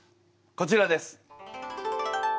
こちらです。